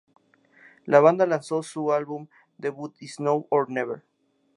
La banda lanzó su álbum debut "It's Now or Never".